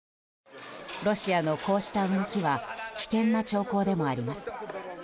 ロシアのこうした動きは危険な兆候でもあります。